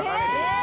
え！